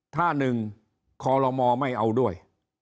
ถ้าหนึ่งคลมไม่เอาด้วย